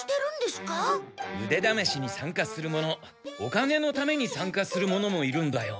うでだめしにさんかする者お金のためにさんかする者もいるんだよ。